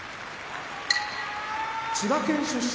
千葉県出身